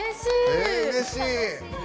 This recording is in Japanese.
うれしい！